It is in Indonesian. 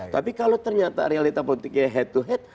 tapi kalau ternyata realita politiknya head to head